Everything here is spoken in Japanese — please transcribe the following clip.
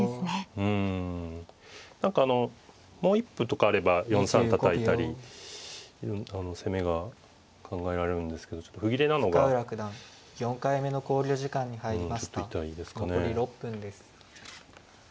うん何かあのもう一歩とかあれば４三たたいたり攻めが考えられるんですけどちょっと歩切れなのがうんちょっと痛いですかね。